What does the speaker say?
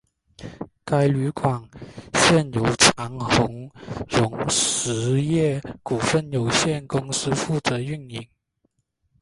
该旅馆现由长鸿荣实业股份有限公司负责营运。